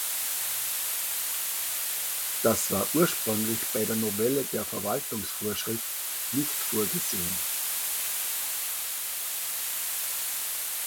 Das war ursprünglich bei der Novelle der Verwaltungsvorschrift nicht vorgesehen.